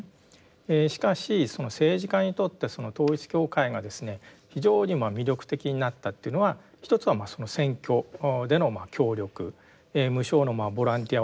しかし政治家にとって統一教会がですね非常に魅力的になったというのは一つは選挙での協力無償のボランティアを派遣するであるとかですね